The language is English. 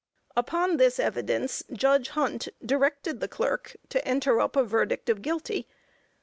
Upon this evidence Judge Hunt directed the clerk to enter up a verdict of guilty.